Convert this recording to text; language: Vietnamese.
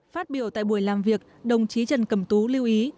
phát biểu tại buổi làm việc đồng chí trần cẩm tú lưu ý